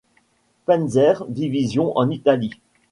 Panzer-Division en Italie.